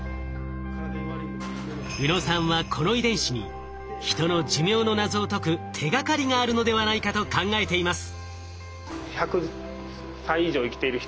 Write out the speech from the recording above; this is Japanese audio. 宇野さんはこの遺伝子にヒトの寿命の謎を解く手がかりがあるのではないかと考えています。